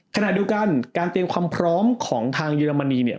ขณะเดียวกันการเตรียมความพร้อมของทางเยอรมนีเนี่ย